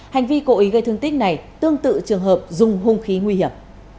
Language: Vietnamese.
hành vi cố ý gây thương tích này tương tự trường hợp dùng hung khí nguy hiểm